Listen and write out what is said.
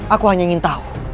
aku hanya ingin tahu